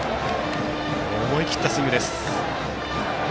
思い切ったスイングです。